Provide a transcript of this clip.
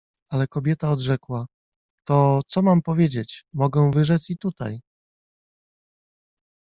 Ale kobieta odrzekła: „To, co mam powiedzieć, mogę wyrzec i tutaj”.